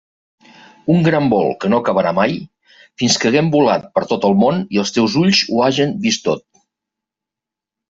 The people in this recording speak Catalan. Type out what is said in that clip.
Un gran vol que no acabarà mai fins que hàgem volat per tot el món i els teus ulls ho hagen vist tot.